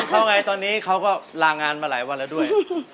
เพราะไงตอนนี้เขาก็ลางานมาหลายวันแล้วด้วย